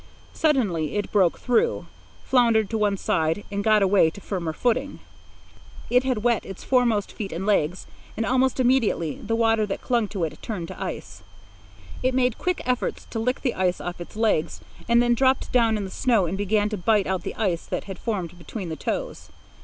Suddenly it broke through, floundered to one side, and got away to firmer footing. It had wet its forefeet and legs, and almost immediately the water that clung to it turned to ice. It made quick efforts to lick the ice off its legs, then dropped down in the snow and began to bite out the ice that had formed between the toes.